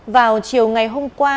vào chiều ngày hôm qua